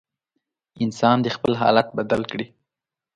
انسان دې خپل حالت بدل کړي.